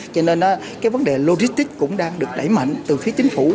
cho nên vấn đề logistic cũng đang được đẩy mạnh từ phía chính phủ